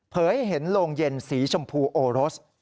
เห็นโรงเย็นสีชมพูโอรส